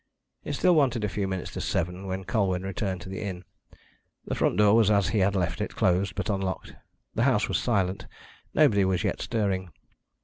It still wanted a few minutes to seven when Colwyn returned to the inn. The front door was as he had left it, closed, but unlocked. The house was silent: nobody was yet stirring.